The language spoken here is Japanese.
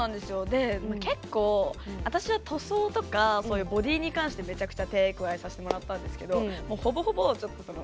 で結構私は塗装とかそういうボディーに関してめちゃくちゃ手ぇ加えさせてもらったんですけどほぼほぼちょっとその何て言うの。